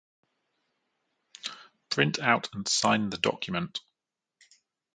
Print out and sign the document